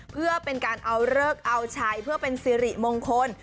เพื่อเป็นการเอาเลิกเอาชัยเพื่อเป็นสิริมงคล